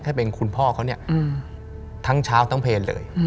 ถ้าเป็นคุณพ่อเขาเนี่ยทั้งเช้าทั้งเพลงเลย